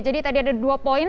jadi tadi ada dua poin